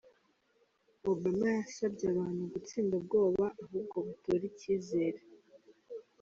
Obama yasavye abantu kutsinda ubwoba ahubwo batore icizere.